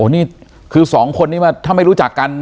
นี่คือสองคนนี้ถ้าไม่รู้จักกัน